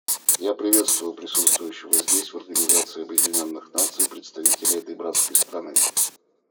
Я приветствую присутствующего здесь, в Организации Объединенных Наций, представителя этой братской страны.